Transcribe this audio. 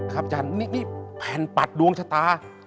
อาจารย์นี่แผ่นปัดดวงชะตา